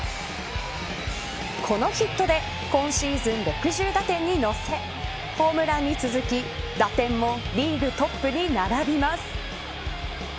このヒットで今シーズン６０打点に乗せホームランに続き打点もリーグトップに並びます。